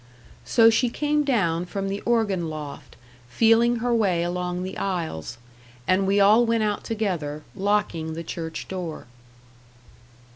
So she came down from the organ loft, feeling her way along the aisles; and we all went out together, locking the church door.